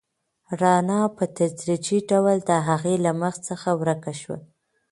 رڼا په تدریجي ډول د هغې له مخ څخه ورکه شوه.